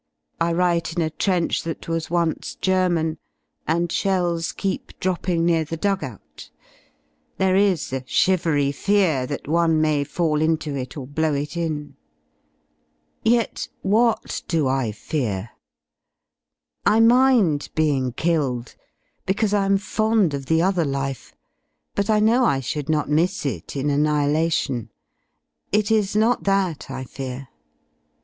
I write in a trench that was once German, and shells keep dropping near the dug out. There is a shivery fear that one may fall into it or blow it In. {Yet what do I fear? I mind being killed because I am fond of the other life, but I know I should not miss It in annihilation. It is not that I fear.